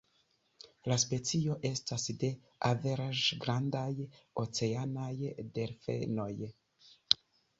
La specio estas de averaĝ-grandaj oceanaj delfenoj.